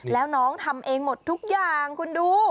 แล้วน้องทำเองหมดทุกอย่างคุณดู